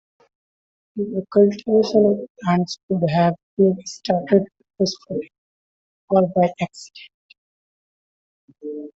The cultivation of plants could have been started purposefully, or by accident.